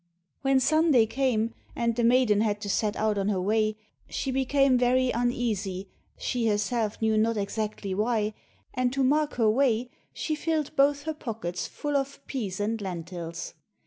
When Sunday came, and the maiden had to set out on her way, she became very uneasy, she herself knew not exactly why, and to mark her way she filled both her pockets full of peas and lentils.